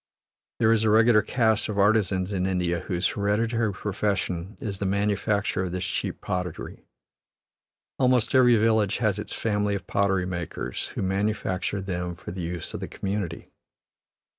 There is a regular caste of artisans in India whose hereditary profession is the manufacture of this cheap pottery; almost every village has its family of pottery makers, who manufacture them for the use of the community.